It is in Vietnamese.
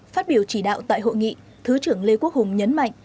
phát biểu chỉ đạo tại hội nghị thứ trưởng lê quốc hùng nhấn mạnh